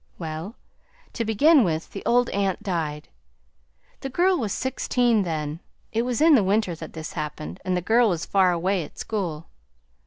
"Well, to begin with, the old aunt died. The girl was sixteen then. It was in the winter that this happened, and the girl was far away at school.